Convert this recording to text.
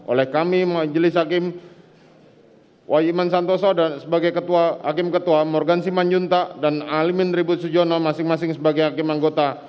oleh kami majelis hakim waiman santoso dan sebagai hakim ketua morgan simanjunta dan alimin ribut sujono masing masing sebagai hakim anggota